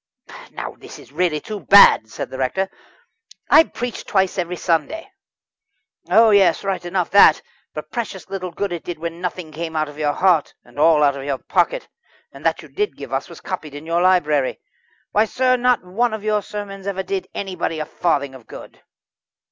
"Now this is really too bad," said the rector. "I preached twice every Sunday." "Oh, yes right enough that. But precious little good it did when nothing came out of your heart, and all out of your pocket and that you did give us was copied in your library. Why, sir, not one of your sermons ever did anybody a farthing of good."